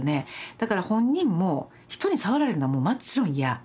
だから本人も人に触られるのはもちろん嫌。